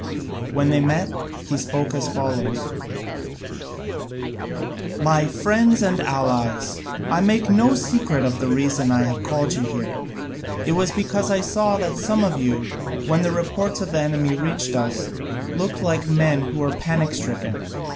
When they met, he spoke as follows: "My friends and allies, I make no secret of the reason I have called you here. It was because I saw that some of you, when the reports of the enemy reached us, looked like men who were panic stricken.